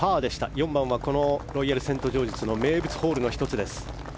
４番はロイヤルセントジョージズの名物ホールの１つです。